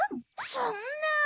そんなぁ。